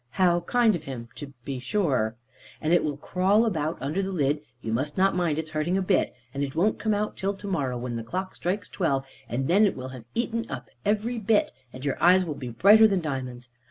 "How kind of him, to be sure!' "And it will crawl about under the lid, you must not mind its hurting a bit; and it won't come out till to morrow when the clock strikes twelve, and then it will have eaten up every bit, and your eyes will be brighter than diamonds.